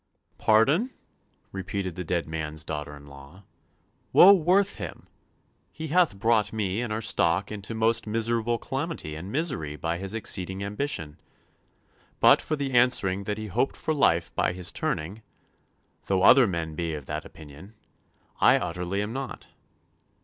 "'Pardon?' repeated the dead man's daughter in law. 'Woe worth him! He hath brought me and our stock into most miserable calamity and misery by his exceeding ambition. But for the answering that he hoped for life by his turning, though other men be of that opinion, I utterly am not.